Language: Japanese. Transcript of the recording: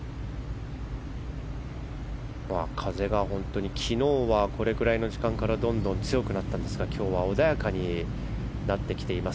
風が昨日はこれくらいの時間からどんどん強くなったんですが今日は穏やかになってきています。